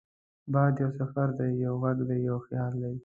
باد یو سفر دی، یو غږ دی، یو خیال